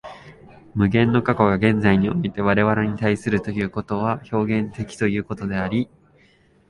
無限の過去が現在において我々に対するということは表現的ということであり、